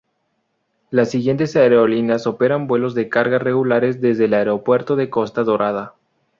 Las siguientes aerolíneas operan vuelos de carga regulares desde el aeropuerto de Costa Dorada.